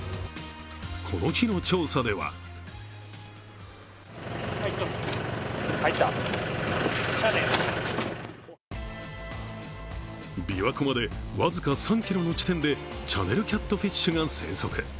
この日の調査ではびわ湖まで僅か３ｋｍの地点でチャネルキャットフィッシュが生息。